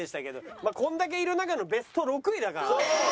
まあこんだけいる中のベスト６位だから。